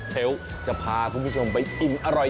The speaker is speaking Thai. เทลจะพาคุณผู้ชมไปกินอร่อยที่ไหนนั้น